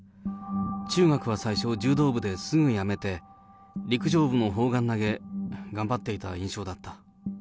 中学は最初、柔道部ですぐやめて、陸上部の砲丸投げ、頑張っていた印象だった。